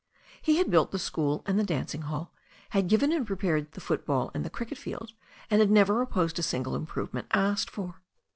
He had built the school and the dancing hall, had given and prepared the football and the cricket field, and had never opposed a single improvement asked for.